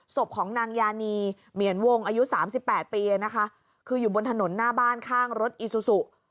ศพของนางยานีเมียนวงอายุ๓๘ปีคืออยู่บนถนนหน้าบ้านข้างรถอิซุสุ